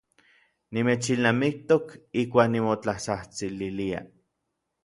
Nimechilnamiktok ijkuak nimotlatsajtsililia.